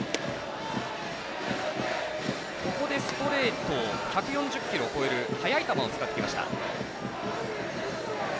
ここでストレート１４０キロを超える速い球を使ってきました。